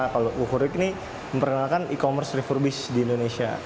kalau kukur yuk ini memperkenalkan e commerce refurbished di indonesia